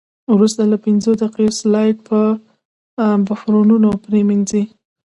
وروسته له پنځو دقیقو سلایډ په بفرونو پرېمنځئ.